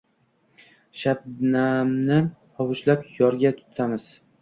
Shabnamni hovuchlab yorga tutamiz